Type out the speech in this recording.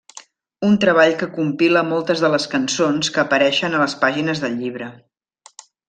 Un treball que compila moltes de les cançons que apareixen a les pàgines del llibre.